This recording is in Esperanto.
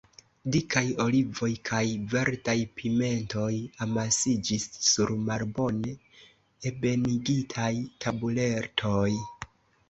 Dikaj olivoj kaj verdaj pimentoj amasiĝis sur malbone ebenigitaj tabuletoj.